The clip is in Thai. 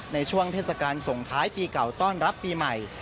ในช่วงเทศกาลส่งท้ายปีเก่าต้อนรับปีใหม่